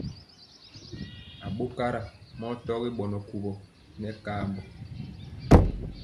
Aɓokarɔ mɔ tɔgi ɓɔnɔ kuwɔ nɛ kaambɔ.